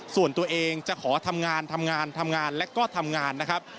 ส่วนตัวเองจะขอทำงานทำงานทำงานและก็ทำงานนะครับ